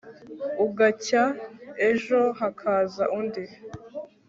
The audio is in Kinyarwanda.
ugacya, ejo hakaza undi